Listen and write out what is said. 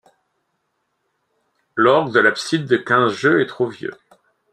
L'orgue de l'abside de quinze jeux est trop vieux.